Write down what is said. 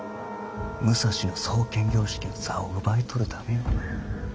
武蔵の惣検校職の座を奪い取るためよ。